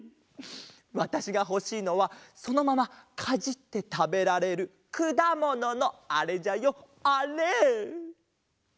わたしがほしいのはそのままかじってたべられるくだもののあれじゃよあれ！